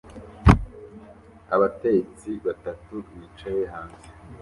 Abatetsi batatu bicaye hanze